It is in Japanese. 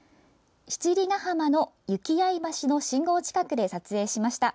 七里ヶ浜の行合橋の信号近くで撮影しました。